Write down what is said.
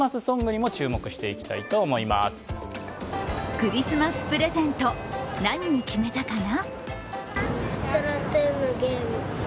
クリスマスプレゼント、何に決めたかな？